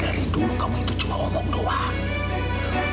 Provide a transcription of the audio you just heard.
dari dulu kamu itu cuma omong doang